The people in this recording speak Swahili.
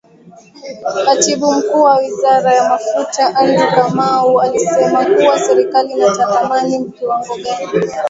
Katibu Mkuu wa Wizara ya Mafuta Andrew Kamau alisema kuwa serikali inatathmini kiwango gani